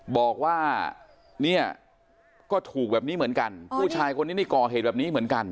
บอกว่าเนี่ยก็ถูกแบบนี้เหมือนกันผู้ชายคนนี้นี่ก่อเหตุแบบนี้เหมือนกัน